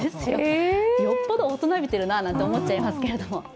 よっぽど大人びてるなと感じちゃいますけれども。